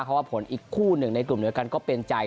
เพราะว่าผลอีกคู่หนึ่งในกลุ่มเดียวกันก็เป็นใจ